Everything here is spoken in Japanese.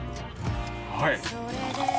はい！